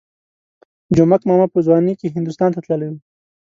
جومک ماما په ځوانۍ کې هندوستان ته تللی وو.